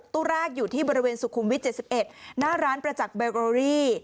ตู้แรกอยู่ที่บริเวณสุขุมวิท๗๑หน้าร้านประจักษเบโกอรี่